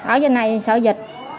ở đây này sợ dịch